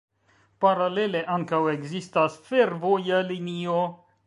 Paralele ankaŭ ekzistas fervoja linio.